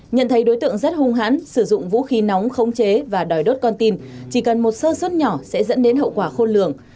nhận thấy đối tượng rất hung hãn sử dụng vũ khí nóng khống chế và đòi đốt con tim chỉ cần một sơ suất nhỏ sẽ dẫn đến hậu quả khôn lường